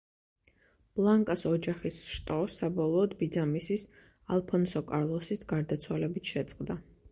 ბლანკას ოჯახის შტო საბოლოოდ ბიძამისის, ალფონსო კარლოსის გარდაცვალებით შეწყდა.